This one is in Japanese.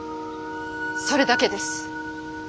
それだけです。